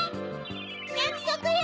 やくそくよ！